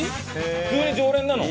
普通に常連なの？